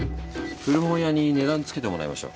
古本屋に値段付けてもらいましょう。